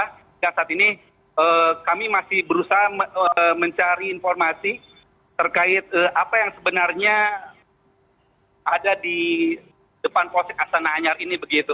hingga saat ini kami masih berusaha mencari informasi terkait apa yang sebenarnya ada di depan posisi asal anjar ini